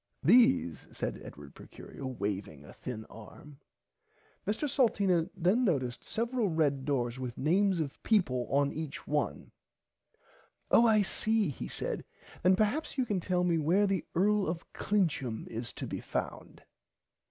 These said Edward Procurio waving a thin arm. Mr Salteena then noticed several red doors with names of people on each one. Oh I see he said then perhaps you can tell me where the Earl of Clincham is to be found.